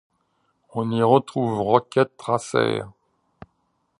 On y retrouve Rocket Racer.